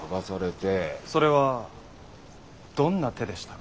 それはどんな手でしたか？